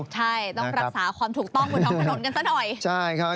ใช่ต้องรักษาความถูกต้องของทางถนนกันซะหน่อย